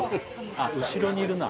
あっ後ろにいるな。